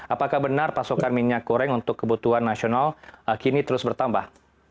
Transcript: apakah benar pasokan minyak goreng untuk kebutuhan nasional kini terus bertambah